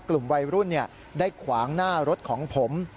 กลุ่มวัยรุ่นได้ขวางหน้ารถของผม